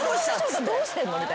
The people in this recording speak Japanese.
どうしてんの？みたいな。